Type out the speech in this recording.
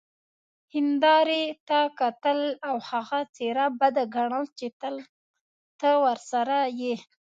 هیندارې ته کتل او هغه څیره بده ګڼل چې تل ته ورسره يې،